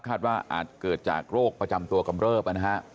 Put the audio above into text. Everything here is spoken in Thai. ว่าอาจเกิดจากโรคประจำตัวกำเริบนะฮะ